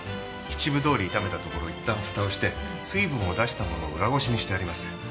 七分通り炒めたところいったんフタをして水分を出したものを裏ごしにしてあります。